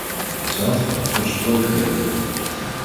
Hetzelfde geldt voor schrootreactoren.